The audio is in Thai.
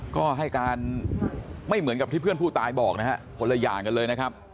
ก็ให้การไม่เหมือนกับที่เพื่อนผู้ตายบอกนะฮะคนละอย่างกันเลยนะครับ